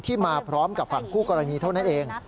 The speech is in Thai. มาพร้อมกับฝั่งคู่กรณีเท่านั้นเอง